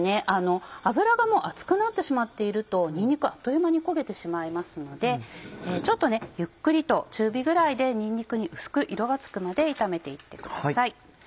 油が熱くなってしまっているとにんにくあっという間に焦げてしまいますのでゆっくりと中火ぐらいでにんにくに薄く色がつくまで炒めて行ってください。